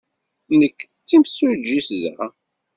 Nekk d timsujjit da.